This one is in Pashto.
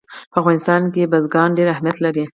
په افغانستان کې بزګان ډېر اهمیت لري.